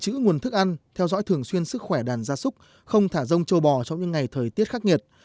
che chắn kín chuồng chạy dự trữ nguồn thức ăn theo dõi thường xuyên sức khỏe đàn ra súc không thả rông châu bò trong những ngày thời tiết khắc nghiệt